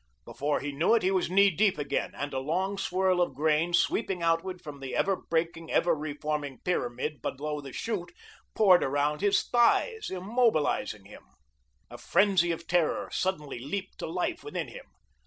Before he knew it, he was knee deep again, and a long swirl of grain sweeping outward from the ever breaking, ever reforming pyramid below the chute, poured around his thighs, immobolising him. A frenzy of terror suddenly leaped to life within him.